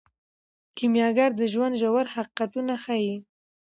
کیمیاګر د ژوند ژور حقیقتونه ښیي.